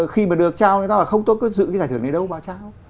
khi mà được trao người ta là không tôi có giữ cái giải thưởng này đâu mà trao